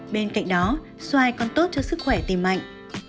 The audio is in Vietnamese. bên cạnh đó xoài còn tốt cho sức khỏe tìm mạnh